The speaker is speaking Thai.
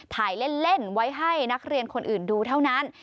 ถ่ายเล่นไว้ให้นักเรียนคนอื่นดูเท่านั้น